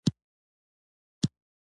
هغوی غواړي دزور له لاري یې پرې ومني.